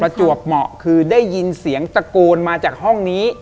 จวบเหมาะคือได้ยินเสียงตะโกนมาจากห้องนี้